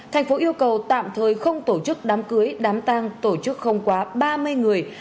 tp yêu cầu tạm thời không tổ chức đám cưới đám tang tổ chức không quá ba mươi người